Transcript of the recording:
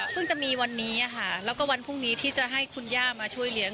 จะมีวันนี้ค่ะแล้วก็วันพรุ่งนี้ที่จะให้คุณย่ามาช่วยเลี้ยง